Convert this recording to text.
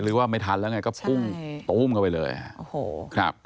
ว่าไม่ทันแล้วไงก็พุ่งตู้มเข้าไปเลยโอ้โหครับ